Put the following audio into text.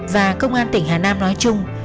và công an tỉnh hà nam nói chung